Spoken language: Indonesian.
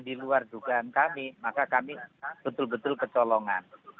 diluar dugaan kami maka kami betul betul kecolongan